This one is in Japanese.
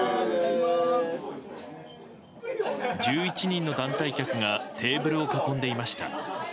１１人の団体客がテーブルを囲んでいました。